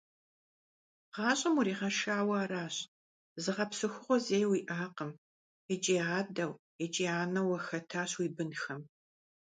ГъащӀэм уригъэшауэ аращ, зыгъэпсэхугъуэ зэи уиӀакъым, икӀи адэу икӀи анэу уахэтащ уи бынхэм.